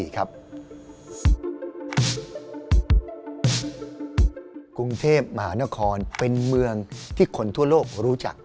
กรุงเทพมหานครเป็นเมืองที่คนทั่วโลกรู้จัก